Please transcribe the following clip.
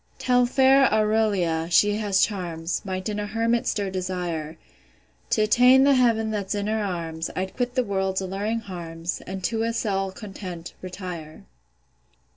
Tell fair AURELIA, she has charms, Might in a hermit stir desire. T' attain the heav'n that's in her arms, I'd quit the world's alluring harms, And to a cell content, retire.